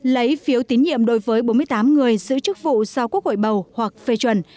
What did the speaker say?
lấy phiếu tín nhiệm đối với bốn mươi tám người giữ chức vụ do quốc hội bầu hoặc phê chuẩn